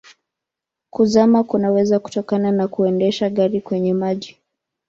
Kuzama kunaweza kutokana na kuendesha gari kwenye maji.